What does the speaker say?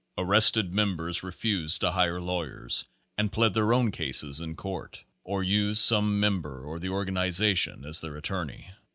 Arrested members refused to hire lawyers, and plead their own cases in court, or used some mem ber or the organization as their "attorney."